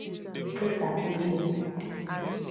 dịka uhie